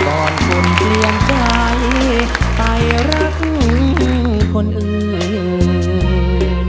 ก่อนคนเปลี่ยนใจไปรักคนอื่น